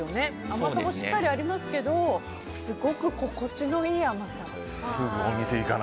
甘さもしっかりありますけどすごく心地のいい甘さ。